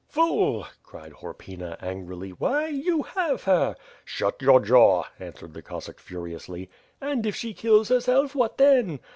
"Fool!" cried Horpyna, angrily, "why, you have her!" '•'Shut your jaw," answered the Cossack furiously. "And, if s le kills herself, what then?"